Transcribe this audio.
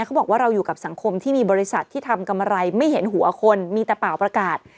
เขาบอกว่าเราอยู่กับสังคมที่มีบริษัทที่ทำกำไรไม่เห็นหัวคนมีแต่เปล่าประกาศ